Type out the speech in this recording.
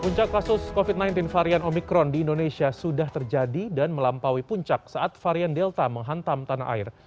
puncak kasus covid sembilan belas varian omikron di indonesia sudah terjadi dan melampaui puncak saat varian delta menghantam tanah air